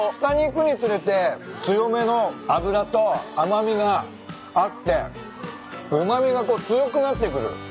下にいくにつれて強めの脂と甘味があってうま味がこう強くなってくる。